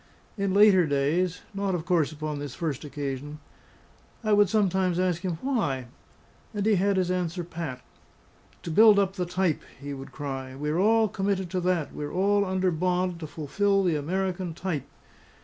In later days (not of course upon this first occasion) I would sometimes ask him why; and he had his answer pat. "To build up the type!" he would cry. "We're all committed to that; we're all under bond to fulfil the American Type!